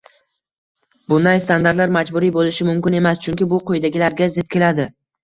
Bunday standartlar majburiy bo‘lishi mumkin emas, chunki bu quyidagilarga zid keladi: